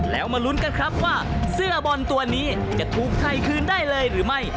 แล้วมาลุ้นกันครับว่าเสื้อบอลตัวนี้จะถูกถ่ายคืนได้เลยหรือไม่